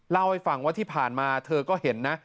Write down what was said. เล่าให้ฟังว่าที่ผ่านมาเธอก็เห็นนะ